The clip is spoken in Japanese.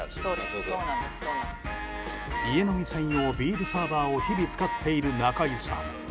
家飲み専用ビールサーバーを日々使っている中井さん。